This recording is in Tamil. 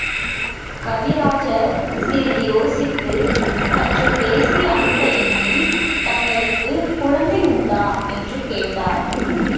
கவிராஜர் சிறிது யோசித்து — சற்றுப் பேசி அனுப்ப எண்ணி, தங்களுக்குக் குழந்தை உண்டா? என்று கேட்டார்.